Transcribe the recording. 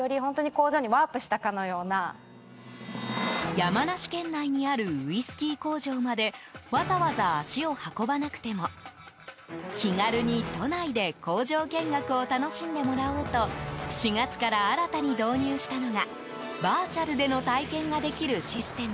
山梨県内にあるウイスキー工場までわざわざ足を運ばなくても気軽に都内で工場見学を楽しんでもらおうと４月から新たに導入したのがバーチャルでの体験ができるシステム。